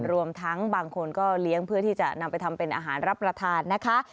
รวมทั้งบางคนก็เลี้ยงเพื่อที่จะนำไปทำเป็นอาหารรับประทานนะคะ